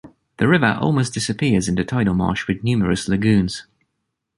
The river almost disappears in the tidal marsh with numerous lagoons.